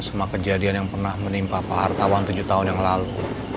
sama kejadian yang pernah menimpa pahar tawan tujuh tahun yang lalu